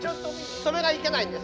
それがいけないんです。